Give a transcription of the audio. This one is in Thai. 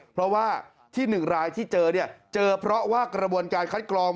เพราะว่าที่๑รายที่เจอเนี่ยเจอเจอเพราะว่ากระบวนการคัดกรอง